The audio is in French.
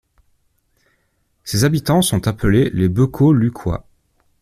Ses habitants sont appelés les Beucquots-Lucquois.